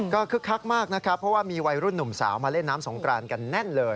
ก็คึกคักมากนะครับเพราะว่ามีวัยรุ่นหนุ่มสาวมาเล่นน้ำสงกรานกันแน่นเลย